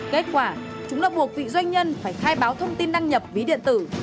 kết quả chúng đã buộc vị doanh nhân phải khai báo thông tin đăng nhập ví điện tử